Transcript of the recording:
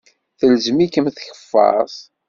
Telzem-ikem tkeffart.